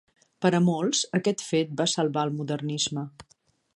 Per a molts, aquest fet va salvar el modernisme.